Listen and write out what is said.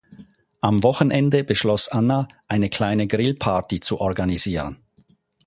Am Wochenende beschloss Anna, eine kleine Grillparty zu organisieren.